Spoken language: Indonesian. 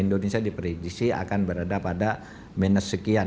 indonesia diprediksi akan berada pada minus sekian